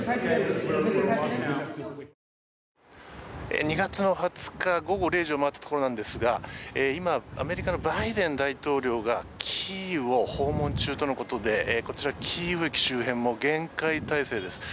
２月の２０日、午後０時を回ったところなんですが今、アメリカのバイデン大統領がキーウを訪問中とのことでこちら、キーウ駅周辺も厳戒態勢です。